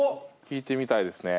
聴いてみたいですね。